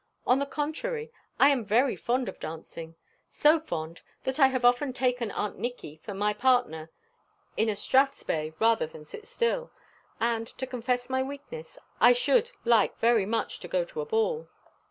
On the contrary, I am very fond of dancing; so fond, that I have often taken Aunt Nicky for my partner in a Strathspey rather than sit still and, to confess my weakness, I should like very much to go to a ball."